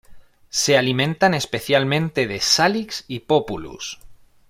Se alimentan especialmente de "Salix" y "Populus".